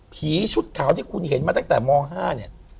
ชุดขาวที่คุณเห็นมาตั้งแต่ม๕เนี่ย